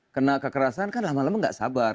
kena kekerasan kan lama lama gak sabar